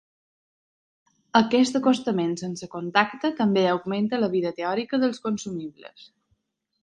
Aquest acostament sense contacte també augmenta la vida teòrica dels consumibles.